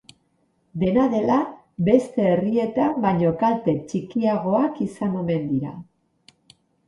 Dena dela, beste herrietan baino kalte txikiagoak izan omen dira.